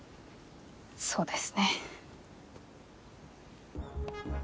そうですね。